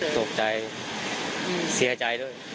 ตกใจเสียใจด้วย